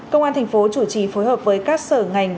công an thành phố chủ trì phối hợp với các sở ngành